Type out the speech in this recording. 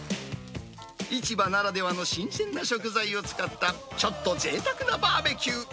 市場ならではの新鮮な食材を使った、ちょっとぜいたくなバーベキュー。